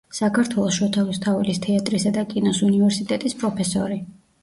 საქართველოს შოთა რუსთაველის თეატრისა და კინოს უნივერსიტეტის პროფესორი.